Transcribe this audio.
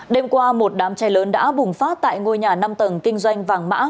đêm qua một đám cháy lớn đã bùng phát tại ngôi nhà năm tầng kinh doanh vàng mã